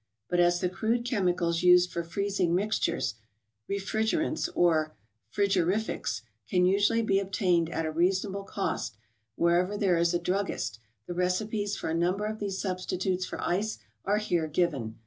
But as the crude chemicals used for freezing mix¬ tures, refrigerants or " frigorifics," can usually be obtained at a reasonable cost, wherever there is a druggist, the recipes for a number of these substitutes for ice are here given.